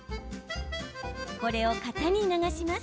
これを型に流します。